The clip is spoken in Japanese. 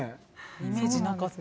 イメージなかった。